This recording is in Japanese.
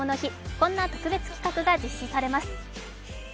こんな特別企画が実施されます。